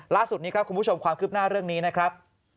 ล่าสุดนี้ครับคุณผู้ชมความคืบหน้าเรื่องนี้นะครับ